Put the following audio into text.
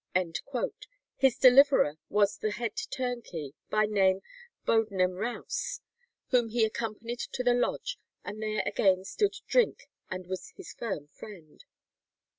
His deliverer was the head turnkey, by name Bodenham Rouse, whom he accompanied to the lodge, and there again stood drink and was his firm friend.